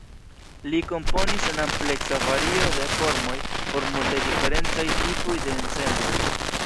Li komponis en ampleksa vario de formoj por multaj diferencaj tipoj de ensembloj.